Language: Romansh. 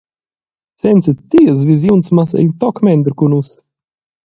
Senza tias visiuns mass ei in toc mender cun nus.